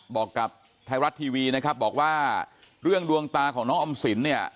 บอกกับไทยรัฐทีวีนะครับบอกว่าเรื่องดวงตาของน้องออมสินเนี่ย